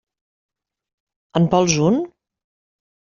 En vols un?